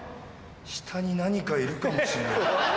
下に何かいるかもしれない。